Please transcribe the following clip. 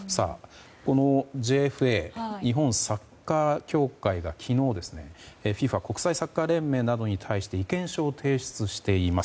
ＪＦＡ・日本サッカー協会が昨日ＦＩＦＡ・国際サッカー連盟などに対して意見書を提出しています。